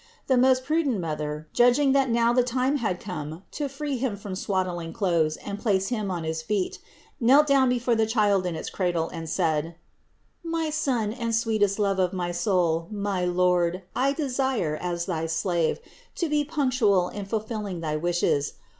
The most prudent Mother, judging that now the time had come to free Him from swaddling clothes and place Him on his feet, knelt down before the Child in its cradle and said : "My Son and sweetest Love of my soul, my Lord, I desire, as thy slave, to be punctual in fulfilling thy wishes.